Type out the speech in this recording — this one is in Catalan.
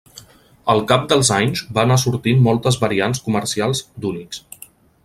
Al cap dels anys, van anar sortint moltes variants comercials d'Unix.